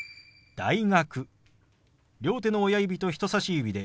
「大学」。